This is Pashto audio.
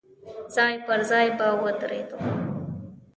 ځای پر ځای به ودرېدو.